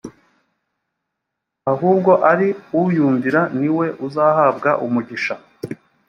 ahubwo ari uyumvira ni we uzahabwa umugisha